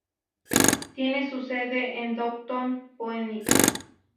Tiene su sede en Downtown Phoenix.